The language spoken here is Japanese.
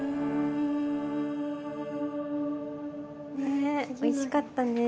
ねえおいしかったね。